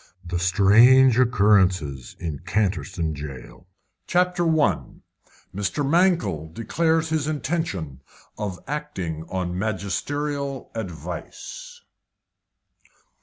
THE STRANGE OCCURRENCES IN CANTERSTONE JAIL. CHAPTER I. MR. MANKELL DECLARES HIS INTENTION OF ACTING ON MAGISTERIAL ADVICE.